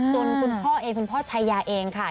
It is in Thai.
คุณพ่อเองคุณพ่อชายาเองค่ะ